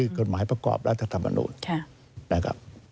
การคือกฎหมายประกอบรัฐธรรมนุนนะครับ